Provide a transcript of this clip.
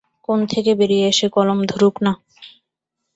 কোণ থেকে বেরিয়ে এসে কলম ধরুক না।